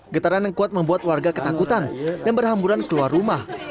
getaran yang kuat membuat warga ketakutan dan berhamburan keluar rumah